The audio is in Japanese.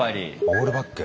オールバック。